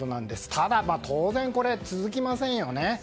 ただ、当然続きませんよね。